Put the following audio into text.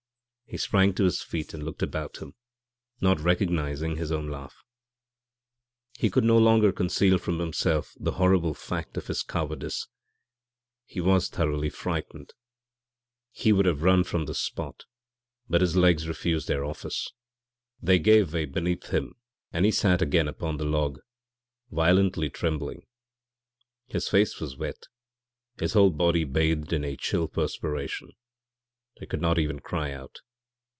He sprang to his feet and looked about him, not recognizing his own laugh. He could no longer conceal from himself the horrible fact of his cowardice; he was thoroughly frightened! He would have run from the spot, but his legs refused their office; they gave way beneath him and he sat again upon the log, violently trembling. His face was wet, his whole body bathed in a chill perspiration. He could not even cry out.